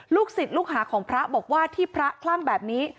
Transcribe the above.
ศิษย์ลูกหาของพระบอกว่าที่พระคลั่งแบบนี้